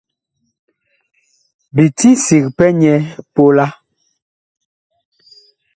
Bi ti sig pɛ nyɛ pola.